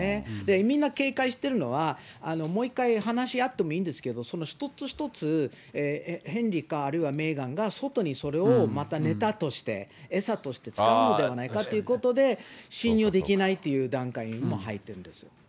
みんな警戒してるのは、もう一回話し合ってもいいんですけど、一つ一つ、ヘンリーか、あるいはメーガンが外にそれを、またネタとして、餌として使うのではないかということで、信用できないっていう段階に入ってるんですよ。